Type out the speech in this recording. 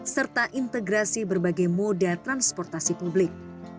serta integrasi berbagai moda transportasi publik